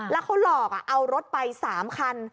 แล้วเขาหลอกเอารถไป๓คัน